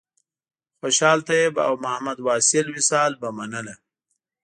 خوشحال طیب او محمد واصل وصال به منله.